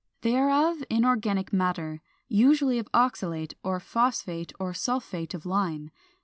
They are of inorganic matter, usually of oxalate or phosphate or sulphate of lime.